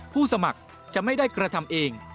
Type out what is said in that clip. ผู้สมัครจะไม่ได้กระทำเอง